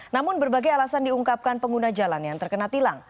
namun berbagai alasan diungkapkan pengguna jalan yang terkena tilang